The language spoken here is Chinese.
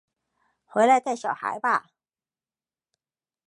回来带小孩吧